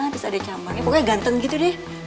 terus ada campaknya pokoknya ganteng gitu deh